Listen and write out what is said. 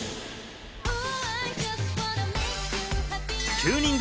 ９人組